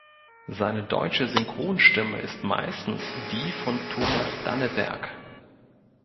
Seine deutsche Synchronstimme ist meistens die von Thomas Danneberg.